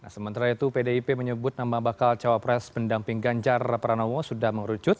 sementara itu pdip menyebut nama bakal cawapres pendamping ganjar pranowo sudah mengerucut